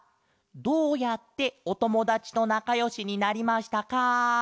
「どうやっておともだちとなかよしになりましたか？」。